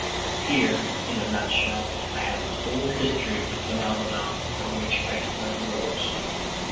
Here, in a nutshell, I had the whole history of the phenomena from which Iceland arose.